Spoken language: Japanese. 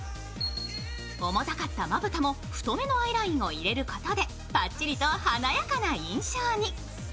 重たかったまぶたも太めのアイラインを入れることでぱっちりと華やかな印象に。